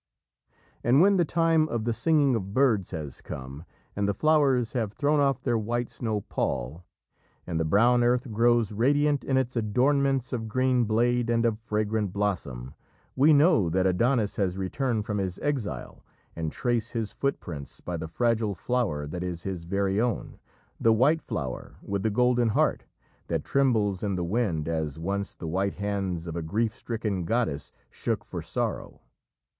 And when the time of the singing of birds has come, and the flowers have thrown off their white snow pall, and the brown earth grows radiant in its adornments of green blade and of fragrant blossom, we know that Adonis has returned from his exile, and trace his footprints by the fragile flower that is his very own, the white flower with the golden heart, that trembles in the wind as once the white hands of a grief stricken goddess shook for sorrow.